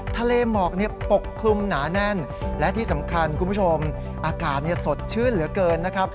ทะเลหมอกปกคลุมหนาแน่นและที่สำคัญคุณผู้ชมอากาศสดชื่นเหลือเกินนะครับ